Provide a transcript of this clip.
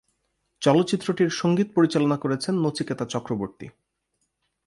চলচ্চিত্রটির সংগীত পরিচালনা করেছেন নচিকেতা চক্রবর্তী।